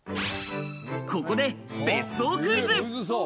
ここで別荘クイズ。